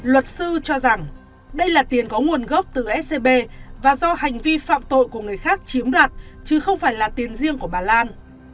luật sư cho rằng đây là tiền có nguồn gốc từ scb và do hành vi phạm tội của người khác chiếm đoạt chứ không phải là tiền riêng của bà lan